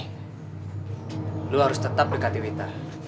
kamu harus tetap dekati wita